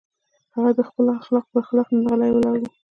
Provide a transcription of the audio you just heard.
هغه د خپلو اخلاقو پر خلاف نن غلی ولاړ و.